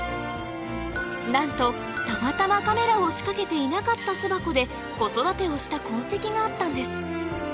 なんとたまたまカメラを仕掛けていなかった巣箱で子育てをした痕跡があったんです